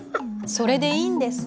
それでいいんです。